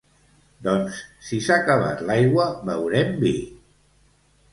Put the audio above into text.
Doncs si s'ha acabat l'aigua veurem vi